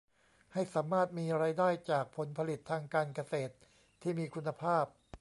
ให้สามารถมีรายได้จากผลผลิตทางการเกษตรที่มีคุณภาพ